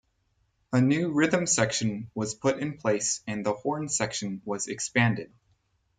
A new rhythm section was put in place, and the horn section was expanded.